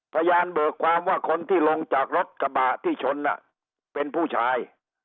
เบิกความว่าคนที่ลงจากรถกระบะที่ชนเป็นผู้ชาย